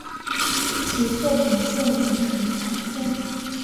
其作品现仅存残篇。